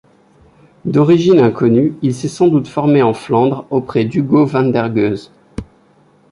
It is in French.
D'origine inconnue, il s'est sans doute formé en Flandre auprès d'Hugo van der Goes.